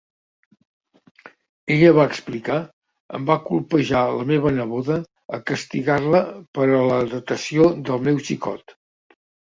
Ella va explicar, em va colpejar la meva neboda a castigar-la per a la datació del meu xicot.